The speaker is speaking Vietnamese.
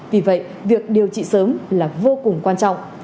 vì vậy việc điều trị sớm là vô cùng quan trọng